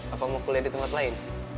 aku mau kuliah di tempat lain